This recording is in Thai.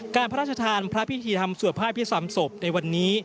พระราชทานพระพิธีธรรมสวดพระอภิษฐรรมศพในวันนี้